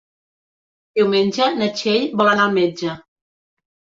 Diumenge na Txell vol anar al metge.